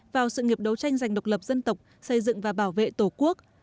vào sự nghiệp đấu tranh giành độc lập dân tộc xây dựng và bảo vệ tổ quốc